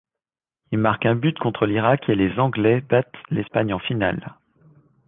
Il marque un but contre l'Irak et les Anglais battent l'Espagne en finale.